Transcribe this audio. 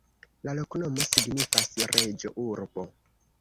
La loknomo signifas: reĝo-urbo.